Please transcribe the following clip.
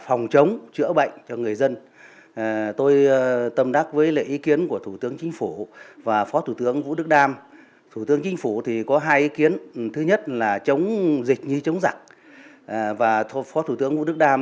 ông trần mạnh hồng phó thủ tướng vũ đức đam